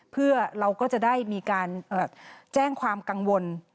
เพื่อเราก็จะได้มีการแจ้งความกังวล